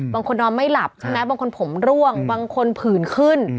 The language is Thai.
นอนไม่หลับใช่ไหมบางคนผมร่วงบางคนผื่นขึ้น